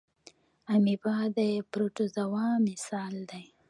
امیبا د پروټوزوا مثال دی